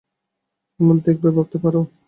কেমন দেখাবে, ভাবতে পারো?